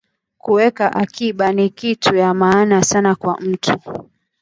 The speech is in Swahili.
Kuweka akiba ni kitu yamaana sana kwa mtu